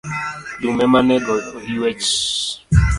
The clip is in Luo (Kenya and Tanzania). Dum ema nego oyuech.